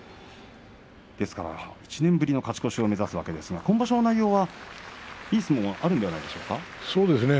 ですから１年ぶりの勝ち越しを目指すわけですが今場所の内容は、いい相撲があるんじゃないでしょうか。